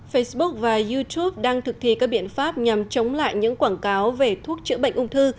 facebook và youtube đang thực thi các biện pháp nhằm chống lại những quảng cáo về thuốc chữa bệnh ung thư